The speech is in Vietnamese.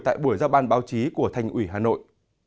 tại buổi giá bán báo chí của thành ủy hà nội